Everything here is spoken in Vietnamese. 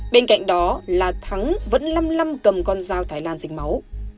bên cạnh đó là thắng vẫn lâm lâm cầm con dao thái lan dịch máu